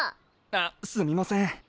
あすみません。